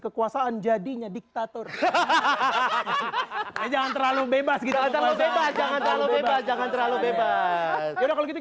kekuasaan jadinya diktator hahaha jangan terlalu bebas kita jangan terlalu bebas